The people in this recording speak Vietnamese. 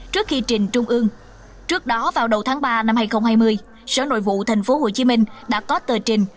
trước khi trình trung ương trước đó vào đầu tháng ba năm hai nghìn hai mươi sở nội vụ tp hcm đã có tờ trình